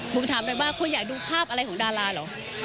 ผมถามเลยว่าคุณอยากดูภาพอะไรของดาราเหรอ